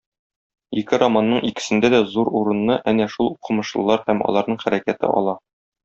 Ике романның икесендә дә зур урынны әнә шул укымышлылар һәм аларның хәрәкәте ала.